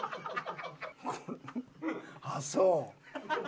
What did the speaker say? ああそう。